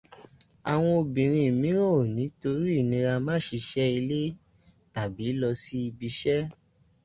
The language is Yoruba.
Àwọn obìnrin míràn ò ní torí ìnira máa ṣiṣẹ́ ilé tàbí lọ sí ibiṣẹ́.